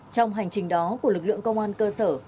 trong hành trình đó của lực lượng công an cơ sở